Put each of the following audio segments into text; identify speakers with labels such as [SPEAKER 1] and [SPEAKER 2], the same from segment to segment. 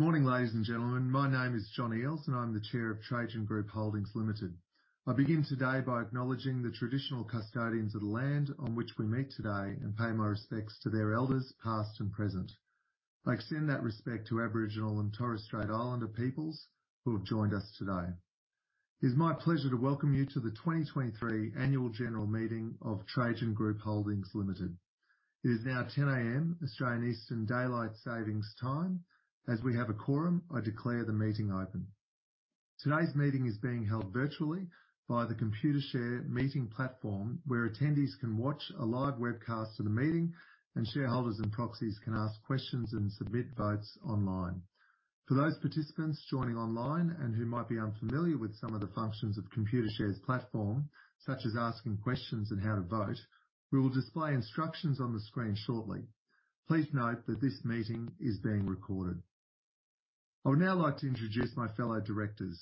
[SPEAKER 1] Morning, ladies and gentlemen. My name is John Eales, and I'm the Chair of Trajan Group Holdings Limited. I begin today by acknowledging the traditional custodians of the land on which we meet today and pay my respects to their elders, past and present. I extend that respect to Aboriginal and Torres Strait Islander peoples who have joined us today. It is my pleasure to welcome you to the 2023 Annual General Meeting of Trajan Group Holdings Limited. It is now 10:00 A.M., Australian Eastern Daylight Saving Time. As we have a quorum, I declare the meeting open. Today's meeting is being held virtually by the Computershare meeting platform, where attendees can watch a live webcast of the meeting, and shareholders and proxies can ask questions and submit votes online. For those participants joining online and who might be unfamiliar with some of the functions of Computershare's platform, such as asking questions and how to vote, we will display instructions on the screen shortly. Please note that this meeting is being recorded. I would now like to introduce my fellow directors: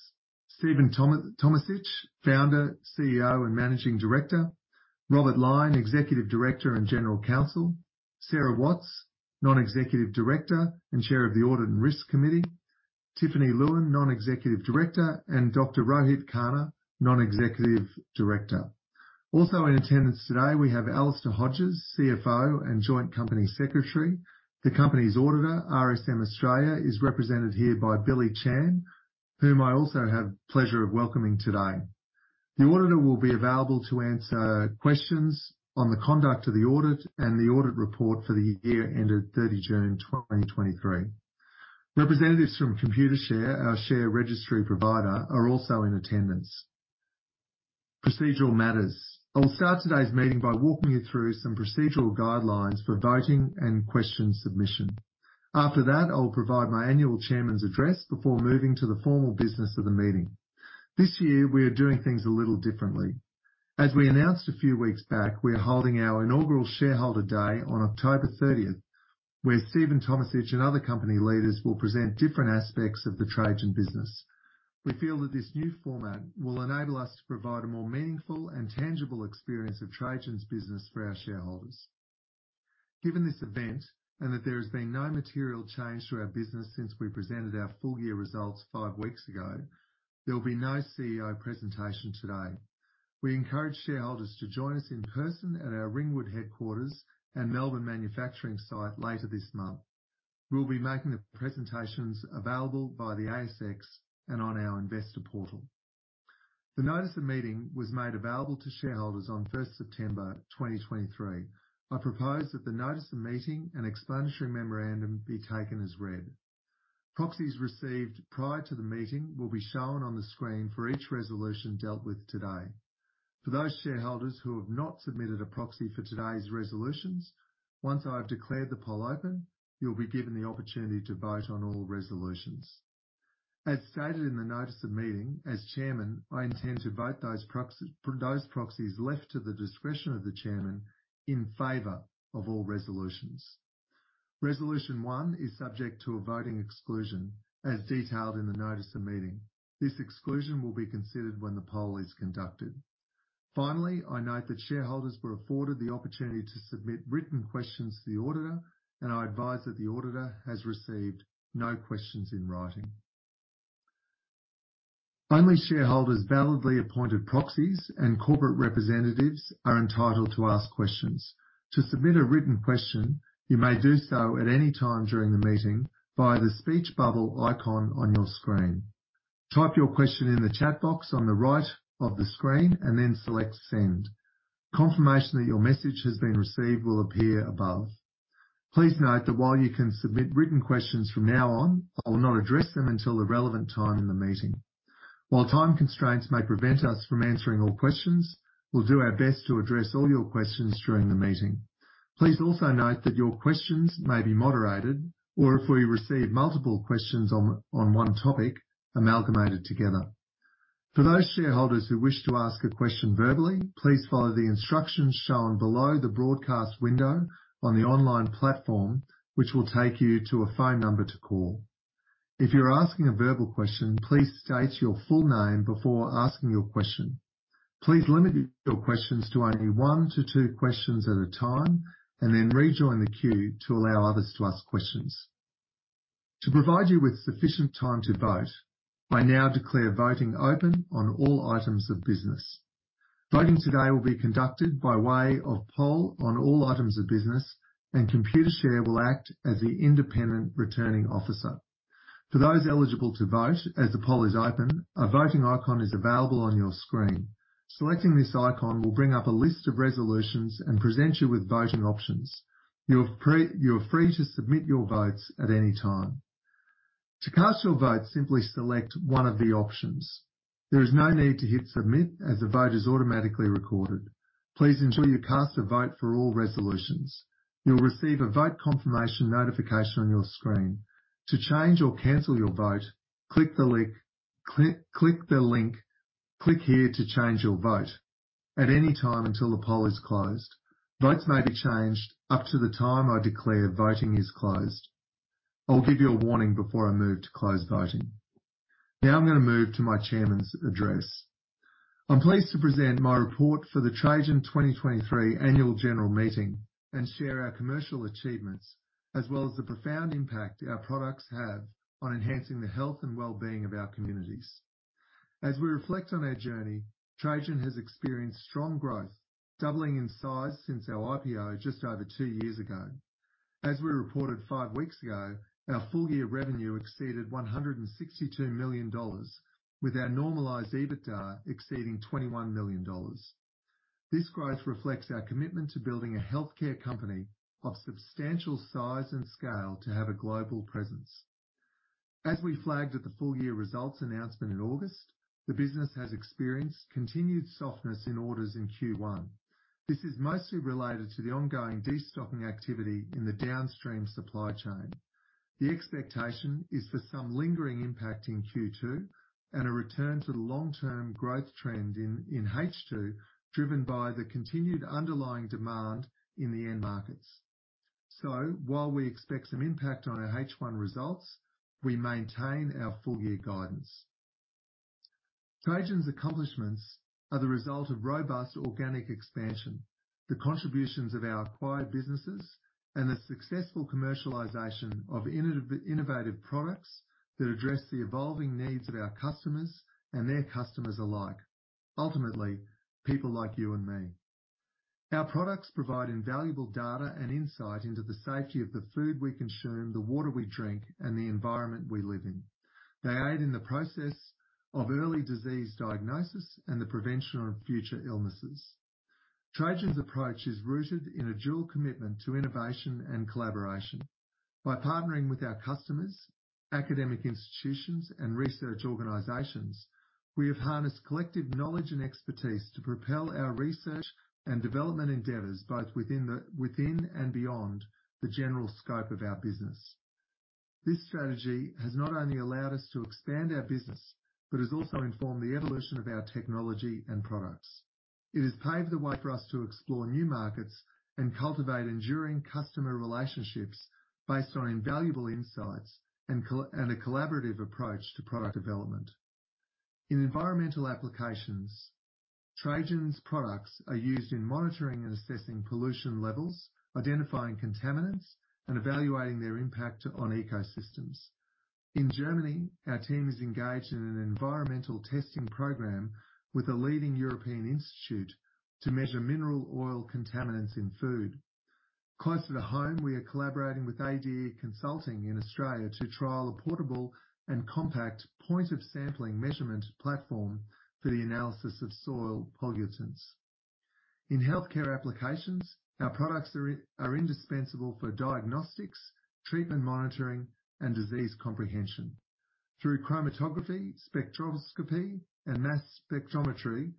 [SPEAKER 1] Stephen Tomisich, founder, CEO, and Managing Director. Robert Lyon, Executive Director and General Counsel. Sara Watts, Non-Executive Director and Chair of the Audit and Risk Committee. Tiffiny Lewin, Non-Executive Director, and Dr Rohit Khanna, Non-Executive Director. Also in attendance today, we have Alistair Hodges, CFO and Joint Company Secretary. The company's auditor, RSM Australia, is represented here by Billy Chan, whom I also have the pleasure of welcoming today. The auditor will be available to answer questions on the conduct of the audit and the audit report for the year ended 30th June 2023. Representatives from Computershare, our share registry provider, are also in attendance. Procedural matters. I'll start today's meeting by walking you through some procedural guidelines for voting and question submission. After that, I'll provide my annual chairman's address before moving to the formal business of the meeting. This year, we are doing things a little differently. As we announced a few weeks back, we are holding our inaugural shareholder day on October 30th, where Stephen Tomisich and other company leaders will present different aspects of the Trajan business. We feel that this new format will enable us to provide a more meaningful and tangible experience of Trajan's business for our shareholders. Given this event, and that there has been no material change to our business since we presented our full-year results five weeks ago, there will be no CEO presentation today. We encourage shareholders to join us in person at our Ringwood headquarters and Melbourne manufacturing site later this month. We'll be making the presentations available by the ASX and on our investor portal. The notice of meeting was made available to shareholders on 1st September 2023. I propose that the notice of meeting and explanatory memorandum be taken as read. Proxies received prior to the meeting will be shown on the screen for each resolution dealt with today. For those shareholders who have not submitted a proxy for today's resolutions, once I have declared the poll open, you'll be given the opportunity to vote on all resolutions. As stated in the notice of meeting, as chairman, I intend to vote those proxies, those proxies left to the discretion of the chairman in favor of all resolutions. Resolution one is subject to a voting exclusion, as detailed in the notice of meeting. This exclusion will be considered when the poll is conducted. Finally, I note that shareholders were afforded the opportunity to submit written questions to the auditor, and I advise that the auditor has received no questions in writing. Only shareholders, validly appointed proxies, and corporate representatives are entitled to ask questions. To submit a written question, you may do so at any time during the meeting via the speech bubble icon on your screen. Type your question in the chat box on the right of the screen and then select Send. Confirmation that your message has been received will appear above. Please note that while you can submit written questions from now on, I will not address them until the relevant time in the meeting. While time constraints may prevent us from answering all questions, we'll do our best to address all your questions during the meeting. Please also note that your questions may be moderated or if we receive multiple questions on one topic, amalgamated together. For those shareholders who wish to ask a question verbally, please follow the instructions shown below the broadcast window on the online platform, which will take you to a phone number to call. If you're asking a verbal question, please state your full name before asking your question. Please limit your questions to only one to two questions at a time, and then rejoin the queue to allow others to ask questions. To provide you with sufficient time to vote, I now declare voting open on all items of business. Voting today will be conducted by way of poll on all items of business, and Computershare will act as the independent returning officer. For those eligible to vote, as the poll is open, a voting icon is available on your screen. Selecting this icon will bring up a list of resolutions and present you with voting options. You are free to submit your votes at any time. To cast your vote, simply select one of the options. There is no need to hit Submit, as the vote is automatically recorded. Please ensure you cast a vote for all resolutions. You'll receive a vote confirmation notification on your screen. To change or cancel your vote, click the link Click Here to Change Your Vote at any time until the poll is closed. Votes may be changed up to the time I declare voting is closed. I'll give you a warning before I move to close voting. Now I'm gonna move to my chairman's address. I'm pleased to present my report for the Trajan 2023 Annual General Meeting, and share our commercial achievements, as well as the profound impact our products have on enhancing the health and well-being of our communities. As we reflect on our journey, Trajan has experienced strong growth, doubling in size since our IPO just over two years ago. As we reported five weeks ago, our full-year revenue exceeded 162 million dollars, with our normalized EBITDA exceeding 21 million dollars. This growth reflects our commitment to building a healthcare company of substantial size and scale to have a global presence. As we flagged at the full-year results announcement in August, the business has experienced continued softness in orders in Q1. This is mostly related to the ongoing destocking activity in the downstream supply chain. The expectation is for some lingering impact in Q2, and a return to the long-term growth trend in H2, driven by the continued underlying demand in the end markets. So while we expect some impact on our H1 results, we maintain our full-year guidance. Trajan's accomplishments are the result of robust organic expansion, the contributions of our acquired businesses, and the successful commercialization of innovative products that address the evolving needs of our customers and their customers alike. Ultimately, people like you and me. Our products provide invaluable data and insight into the safety of the food we consume, the water we drink, and the environment we live in. They aid in the process of early disease diagnosis and the prevention of future illnesses. Trajan's approach is rooted in a dual commitment to innovation and collaboration. By partnering with our customers, academic institutions, and research organizations, we have harnessed collective knowledge and expertise to propel our research and development endeavors, both within and beyond the general scope of our business. This strategy has not only allowed us to expand our business, but has also informed the evolution of our technology and products. It has paved the way for us to explore new markets and cultivate enduring customer relationships based on invaluable insights and a collaborative approach to product development. In environmental applications, Trajan's products are used in monitoring and assessing pollution levels, identifying contaminants, and evaluating their impact on ecosystems. In Germany, our team is engaged in an environmental testing program with a leading European institute to measure mineral oil contaminants in food. Closer to home, we are collaborating with ADE Consulting in Australia to trial a portable and compact point of sampling measurement platform for the analysis of soil pollutants. In healthcare applications, our products are indispensable for diagnostics, treatment monitoring, and disease comprehension. Through chromatography, spectroscopy, and mass spectrometry,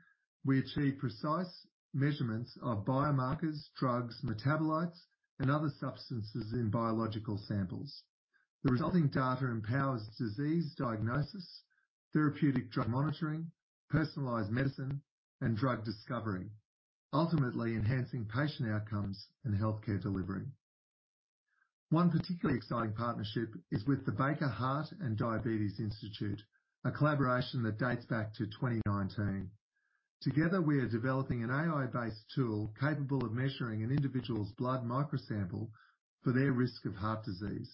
[SPEAKER 1] we achieve precise measurements of biomarkers, drugs, metabolites, and other substances in biological samples. The resulting data empowers disease diagnosis, therapeutic drug monitoring, personalized medicine, and drug discovery, ultimately enhancing patient outcomes and healthcare delivery. One particularly exciting partnership is with the Baker Heart and Diabetes Institute, a collaboration that dates back to 2019. Together, we are developing an AI-based tool capable of measuring an individual's blood micro sample for their risk of heart disease.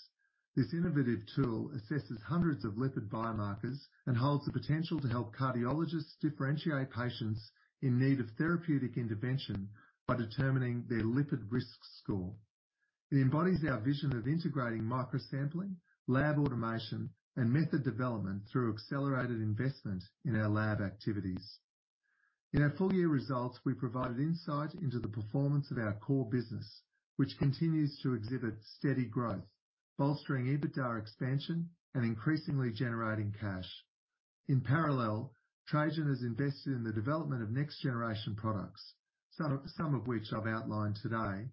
[SPEAKER 1] This innovative tool assesses hundreds of lipid biomarkers and holds the potential to help cardiologists differentiate patients in need of therapeutic intervention by determining their lipid risk score. It embodies our vision of integrating microsampling, lab automation, and method development through accelerated investment in our lab activities. In our full-year results, we provided insight into the performance of our core business, which continues to exhibit steady growth, bolstering EBITDA expansion and increasingly generating cash. In parallel, Trajan has invested in the development of next generation products, some of which I've outlined today,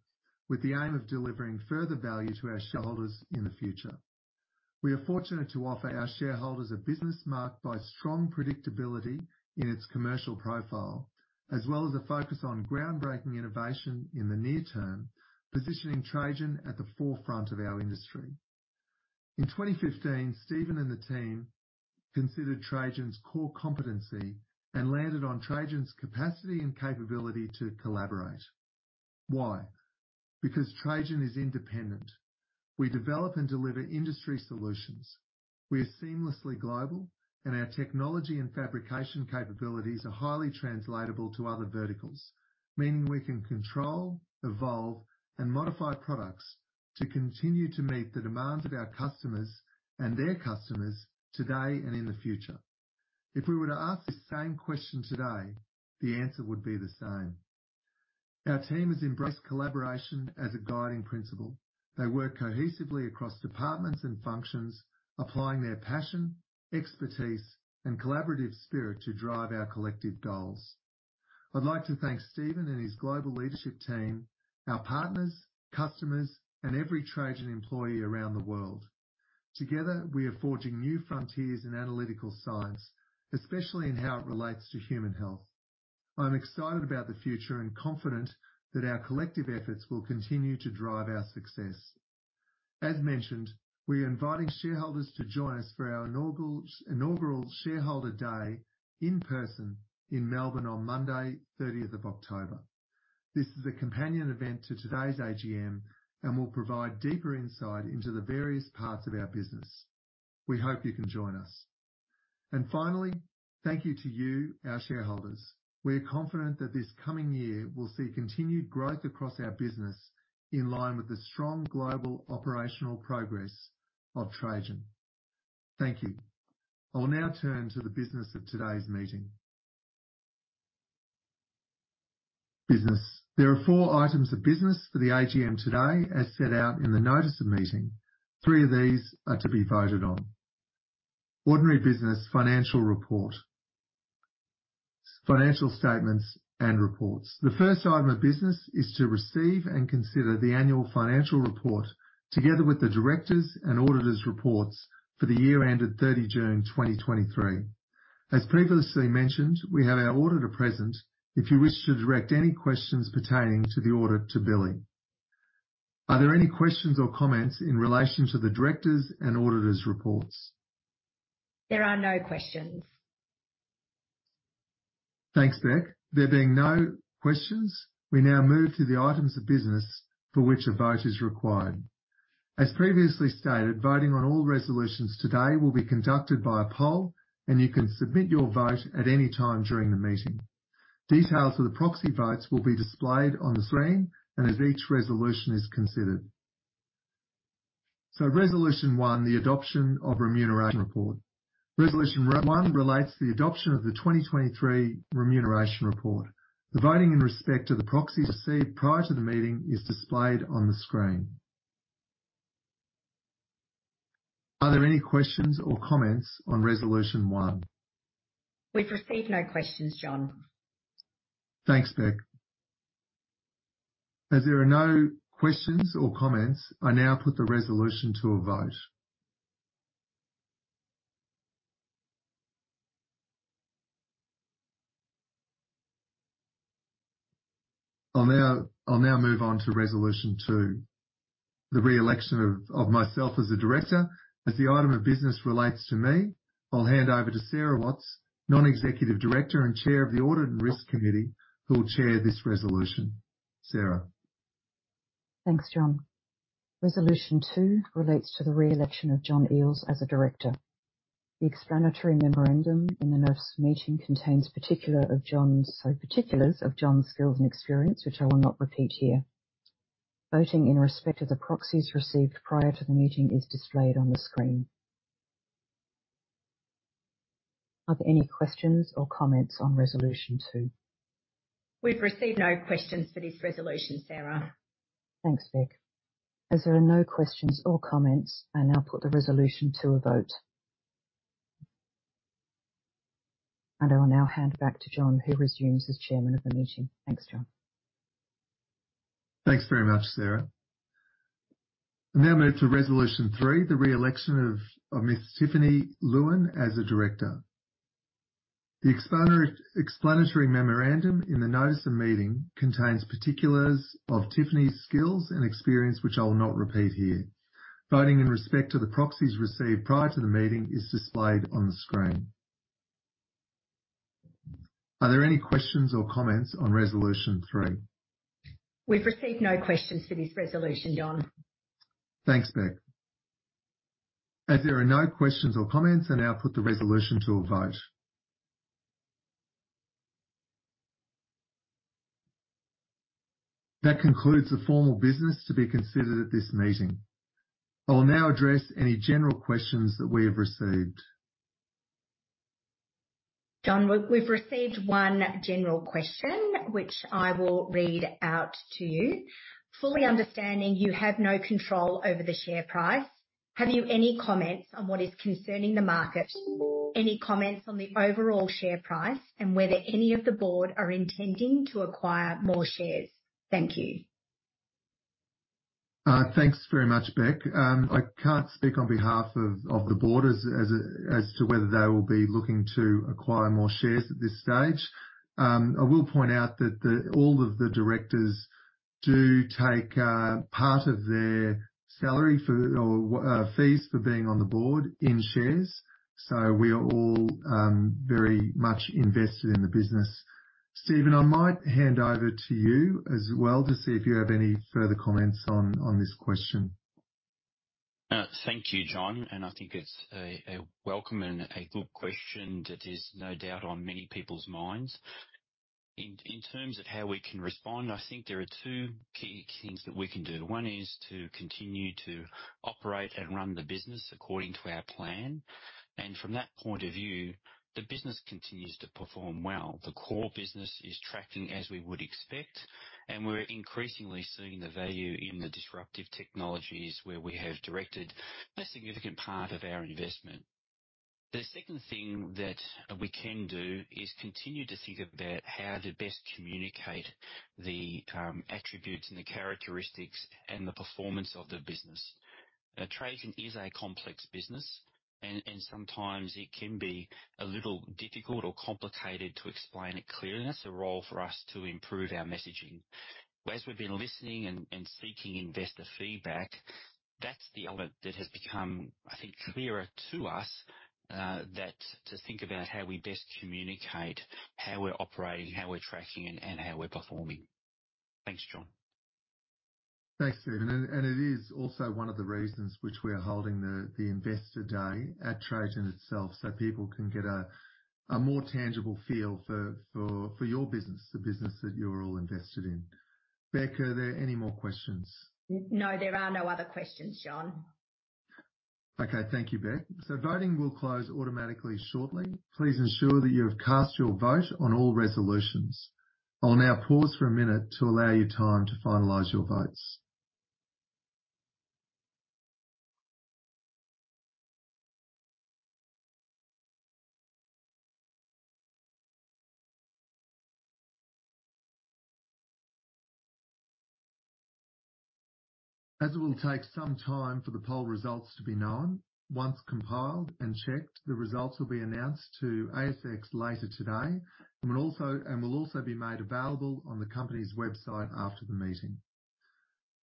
[SPEAKER 1] with the aim of delivering further value to our shareholders in the future. We are fortunate to offer our shareholders a business marked by strong predictability in its commercial profile, as well as a focus on groundbreaking innovation in the near term, positioning Trajan at the forefront of our industry. In 2015, Stephen and the team considered Trajan's core competency and landed on Trajan's capacity and capability to collaborate. Why? Because Trajan is independent. We develop and deliver industry solutions. We are seamlessly global, and our technology and fabrication capabilities are highly translatable to other verticals, meaning we can control, evolve, and modify products to continue to meet the demands of our customers and their customers today and in the future. If we were to ask the same question today, the answer would be the same. Our team has embraced collaboration as a guiding principle. They work cohesively across departments and functions, applying their passion, expertise, and collaborative spirit to drive our collective goals. I'd like to thank Stephen and his global leadership team, our partners, customers, and every Trajan employee around the world. Together, we are forging new frontiers in analytical science, especially in how it relates to human health. I'm excited about the future and confident that our collective efforts will continue to drive our success. As mentioned, we are inviting shareholders to join us for our inaugural, inaugural Shareholder Day in person in Melbourne on Monday, 30th of October. This is a companion event to today's AGM and will provide deeper insight into the various parts of our business. We hope you can join us. Finally, thank you to you, our shareholders. We are confident that this coming year will see continued growth across our business, in line with the strong global operational progress of Trajan. Thank you. I'll now turn to the business of today's meeting. Business. There are four items of business for the AGM today, as set out in the notice of meeting. Three of these are to be voted on. Ordinary business financial report. Financial statements and reports. The first item of business is to receive and consider the annual financial report, together with the directors' and auditors' reports for the year ended 30th June 2023. As previously mentioned, we have our auditor present, if you wish to direct any questions pertaining to the audit to Billy. Are there any questions or comments in relation to the directors' and auditors' reports?
[SPEAKER 2] There are no questions.
[SPEAKER 1] Thanks, Beck. There being no questions, we now move to the items of business for which a vote is required. As previously stated, voting on all resolutions today will be conducted by a poll, and you can submit your vote at any time during the meeting. Details of the proxy votes will be displayed on the screen and as each resolution is considered. So Resolution one, the adoption of Remuneration Report. Resolution one relates to the adoption of the 2023 Remuneration Report. The voting in respect to the proxies received prior to the meeting is displayed on the screen. Are there any questions or comments on Resolution one?
[SPEAKER 2] We've received no questions, John.
[SPEAKER 1] Thanks, Beck. As there are no questions or comments, I now put the resolution to a vote. I'll now move on to Resolution two, the re-election of myself as a director. As the item of business relates to me, I'll hand over to Sara Watts, Non-Executive Director and Chair of the Audit and Risk Committee, who will chair this resolution. Sarah?
[SPEAKER 3] Thanks, John. Resolution two relates to the re-election of John Eales as a director. The explanatory memorandum in the notice of meeting contains particulars of John's skills and experience, which I will not repeat here. Voting in respect of the proxies received prior to the meeting is displayed on the screen. Are there any questions or comments on Resolution two?
[SPEAKER 2] We've received no questions for this resolution, Sarah.
[SPEAKER 3] Thanks, Beck. As there are no questions or comments, I now put the resolution to a vote. I will now hand back to John, who resumes as Chairman of the meeting. Thanks, John.
[SPEAKER 1] Thanks very much, Sarah. I now move to Resolution three, the re-election of Ms. Tiffiny Lewin as a director. The explanatory memorandum in the notice of meeting contains particulars of Tiffiny's skills and experience, which I will not repeat here. Voting in respect to the proxies received prior to the meeting is displayed on the screen. Are there any questions or comments on Resolution three?
[SPEAKER 2] We've received no questions for this resolution, John.
[SPEAKER 1] Thanks, Beck. As there are no questions or comments, I now put the resolution to a vote. That concludes the formal business to be considered at this meeting. I will now address any general questions that we have received.
[SPEAKER 2] John, we've received one general question, which I will read out to you. Fully understanding you have no control over the share price, have you any comments on what is concerning the market? Any comments on the overall share price and whether any of the board are intending to acquire more shares? Thank you.
[SPEAKER 1] Thanks very much, Beck. I can't speak on behalf of the board as to whether they will be looking to acquire more shares at this stage. I will point out that the all of the directors do take part of their salary or fees for being on the board in shares. So we are all very much invested in the business. Stephen, I might hand over to you as well, to see if you have any further comments on this question.
[SPEAKER 4] Thank you, John, and I think it's a welcome and a good question that is no doubt on many people's minds. In terms of how we can respond, I think there are two key things that we can do. One is to continue to operate and run the business according to our plan, and from that point of view, the business continues to perform well. The core business is tracking as we would expect, and we're increasingly seeing the value in the disruptive technologies where we have directed a significant part of our investment. The second thing that we can do is continue to think about how to best communicate the attributes and the characteristics and the performance of the business. Trajan is a complex business, and sometimes it can be a little difficult or complicated to explain it clearly, and that's a role for us to improve our messaging. But as we've been listening and seeking investor feedback, that's the element that has become, I think, clearer to us, that to think about how we best communicate, how we're operating, how we're tracking, and how we're performing. Thanks, John.
[SPEAKER 1] Thanks, Stephen. And it is also one of the reasons which we are holding the Investor Day at Trajan itself, so people can get a more tangible feel for your business, the business that you're all invested in. Beck, are there any more questions?
[SPEAKER 2] No, there are no other questions, John.
[SPEAKER 1] Okay. Thank you, Beck. So voting will close automatically shortly. Please ensure that you have cast your vote on all resolutions. I'll now pause for a minute to allow you time to finalize your votes. As it will take some time for the poll results to be known, once compiled and checked, the results will be announced to ASX later today, and will also be made available on the company's website after the meeting.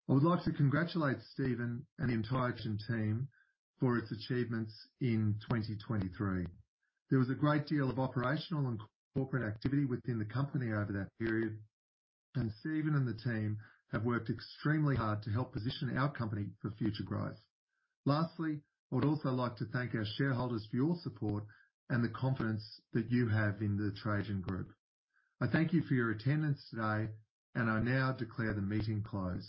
[SPEAKER 1] I would like to congratulate Stephen and the entire Trajan team for its achievements in 2023. There was a great deal of operational and corporate activity within the company over that period, and Stephen and the team have worked extremely hard to help position our company for future growth. Lastly, I would also like to thank our shareholders for your support and the confidence that you have in the Trajan Group. I thank you for your attendance today, and I now declare the meeting closed.